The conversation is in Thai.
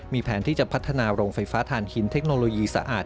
มีแผนที่จะพัฒนาโรงไฟฟ้าฐานหินเทคโนโลยีสะอาด